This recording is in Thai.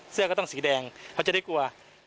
เสื้อก็ต้องสีแดงเขาจะได้กลัว